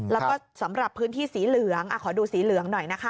แล้วก็สำหรับพื้นที่สีเหลืองขอดูสีเหลืองหน่อยนะคะ